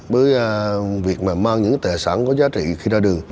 với việc mà mang những tài sản có giá trị khi ra đường